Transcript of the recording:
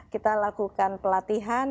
kita lakukan pelatihan